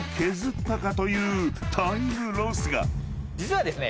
実はですね。